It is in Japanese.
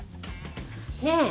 ねえ。